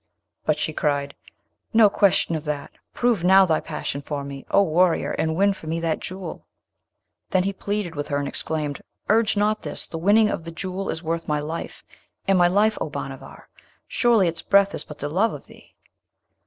But she cried, 'No question of that! Prove now thy passion for me, O warrior! and win for me that Jewel.' Then he pleaded with her, and exclaimed, 'Urge not this! The winning of the Jewel is worth my life; and my life, O Bhanavar surely its breath is but the love of thee.'